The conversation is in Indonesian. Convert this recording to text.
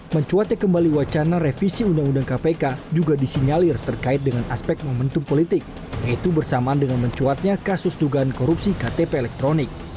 mencuatnya kembali wacana revisi undang undang kpk juga disinyalir terkait dengan aspek momentum politik yaitu bersamaan dengan mencuatnya kasus dugaan korupsi ktp elektronik